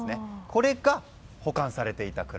これが保管されていた蔵。